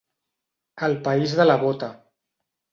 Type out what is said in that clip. El país de la bota.